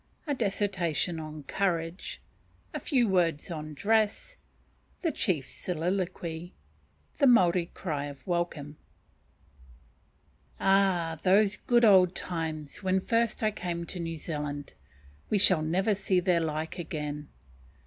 A Dissertation on "Courage." A few Words on Dress. The Chief's Soliloquy. The Maori Cry of Welcome. Ah! those good old times, when first I came to New Zealand, we shall never see their like again.